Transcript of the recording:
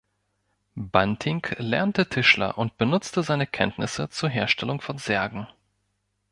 Banting lernte Tischler und benutzte seine Kenntnisse zur Herstellung von Särgen.